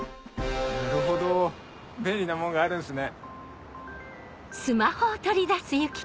なるほど便利なもんがあるんすね。